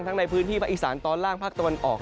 ในพื้นที่ภาคอีสานตอนล่างภาคตะวันออก